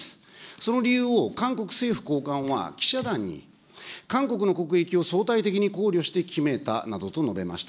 その理由を韓国政府高官は、記者団に、韓国の国益を相対的に考慮して決めたなどと述べました。